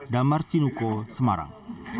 damar sinuko semarang